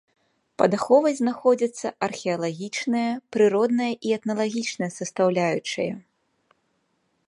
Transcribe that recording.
Пад аховай знаходзяцца археалагічная, прыродная і этналагічная састаўляючая.